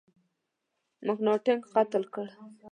مکناټن قتل کړ.